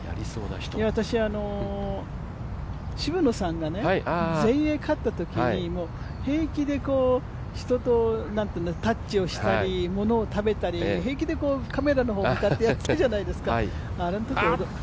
私は渋野さんが全英勝ったときに平気で人とタッチをしたりものを食べたり、平気でカメラの方に向かってやっていたじゃないですか。